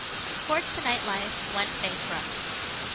Sports Tonight Live went bankrupt.